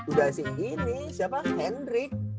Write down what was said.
udah si ini siapa hendrik